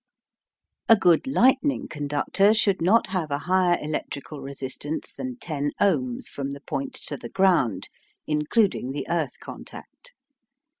A good lightning conductor should not have a higher electrical resistance than 10 ohms from the point to the ground, including the "earth" contact.